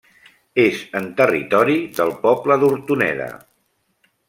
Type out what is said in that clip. És en territori del poble d'Hortoneda.